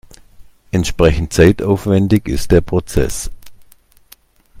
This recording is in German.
Entsprechend zeitaufwendig ist der Prozess.